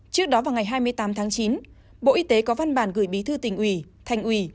trước đó vào ngày hai mươi tám tháng chín bộ y tế có văn bản gửi bí thư tỉnh ủy thành ủy